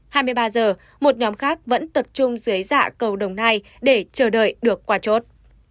hai mươi ba h một nhóm khác vẫn tập trung dưới dạ cầu đồng nai để chờ đợi được qua chốt